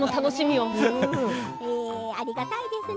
ありがたいですね。